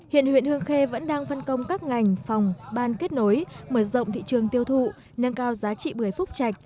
hiện huyện hương khê vẫn đang phân công các ngành phòng ban kết nối mở rộng thị trường tiêu thụ nâng cao giá trị bưởi phúc trạch